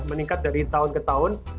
meningkat dari tahun ke tahun